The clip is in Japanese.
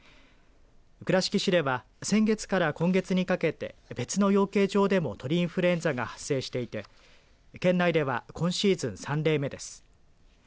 倉敷市では先月から今月にかけて別の養鶏場でも鳥インフルエンザが発生していて県内では今シーズン３例目です。